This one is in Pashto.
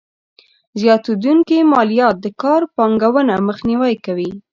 زياتېدونکې ماليات کار پانګونه مخنیوی کوي.